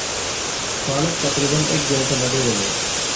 پالک تقریباً ایک گین٘ٹہ لدہ گلے